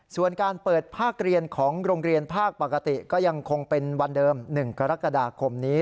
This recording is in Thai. ส่วนการเปิดภาคเรียนของโรงเรียนภาคปกติก็ยังคงเป็นวันเดิม๑กรกฎาคมนี้